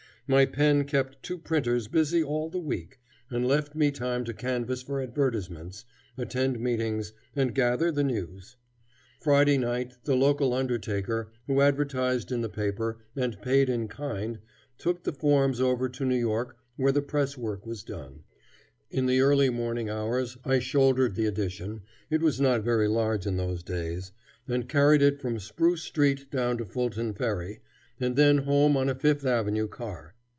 My pen kept two printers busy all the week, and left me time to canvass for advertisements, attend meetings, and gather the news. Friday night the local undertaker, who advertised in the paper and paid in kind, took the forms over to New York, where the presswork was done. In the early morning hours I shouldered the edition it was not very large in those days and carried it from Spruce Street down to Fulton Ferry, and then home on a Fifth Avenue car.